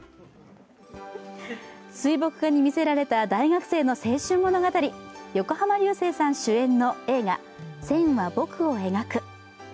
水墨画に魅せられた大学生の青春物語、横浜流星さん主演の映画「線は、僕を描く」。